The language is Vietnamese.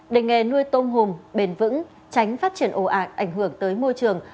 để nghề nuôi tôm hùm bền vững tránh phát triển ồ ạc ảnh hưởng tới môi trường